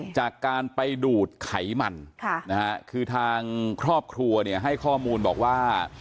จากการไปดูดไขมันคือทางครอบครัวเนี่ยให้ข้อมูลบอกว่า